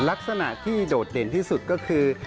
ลักษณะที่โดดเด่นที่สุดก็คือ